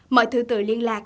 mời thư tử liên lạc